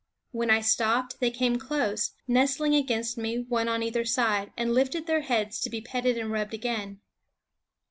When I stopped they came close, nestling against me, one on either side, and lifted their heads to be petted and rubbed again.